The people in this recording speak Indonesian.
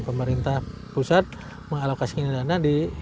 pemerintah pusat mengalokasi dana